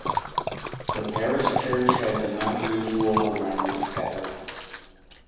The parish church has an unusual round tower.